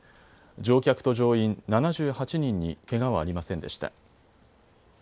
乗客と乗員７８人にけがはありませんでした。